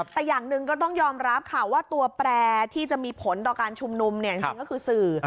แต่อย่างหนึ่งก็ต้องยอมรับค่ะว่าตัวแปรที่จะมีผลต่อการชุมนุมเนี่ยจริงก็คือสื่อ